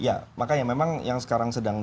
ya makanya memang yang sekarang sedang